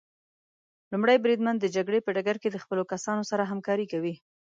لومړی بریدمن د جګړې په ډګر کې د خپلو کسانو سره همکاري کوي.